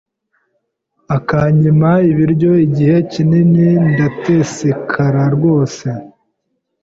akanyima ibiryo igihe kinini ndatesekara rwose